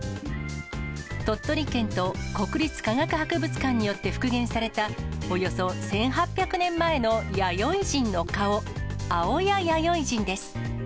鳥取県と国立科学博物館によって復元されたおよそ１８００年前の弥生人の顔、青谷弥生人です。